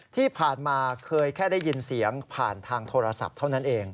ที่ผ่านมาเคยแค่ได้ยินเสียงผ่านทางโทรศัพท์เท่านั้นเอง